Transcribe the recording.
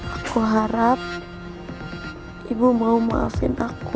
aku harap ibu mau maafin aku